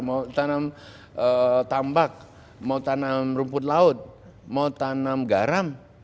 mau tanam tambak mau tanam rumput laut mau tanam garam